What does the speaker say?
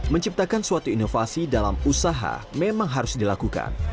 menciptakan suatu inovasi dalam usaha memang harus dilakukan